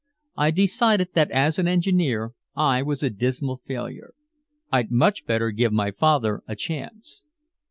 I decided that as an engineer I was a dismal failure. I'd much better give my father a chance.